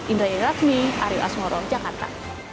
indra yerakmi aryo asmoro jakarta